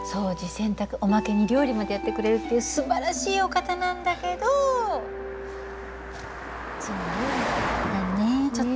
洗濯おまけに料理までやってくれるっていうすばらしいお方なんだけどその料理がねちょっとね。